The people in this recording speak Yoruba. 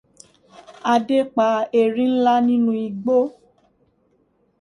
Adé pa erin ńlá nínú igbó.